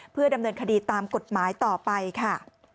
เพื่อดำเนินคดีตามกฎหมายต่อไปค่ะ